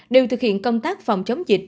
đều thực hiện công tác phòng chống dịch